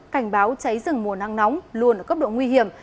cảnh báo cháy rừng mùa nắng nóng luôn ở cấp độ nguy hiểm